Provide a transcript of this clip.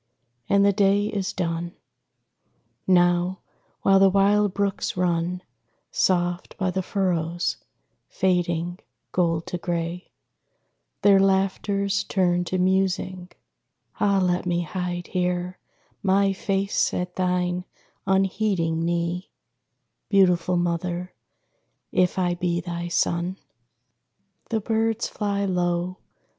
And the day is done. Now, while the wild brooks run Soft by the furrows fading, gold to gray, Their laughters turned to musing ah, let me Hide here my face at thine unheeding knee, Beautiful Mother; if I be thy son. The birds fly low.